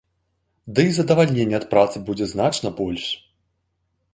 Дый задавальнення ад працы будзе значна больш.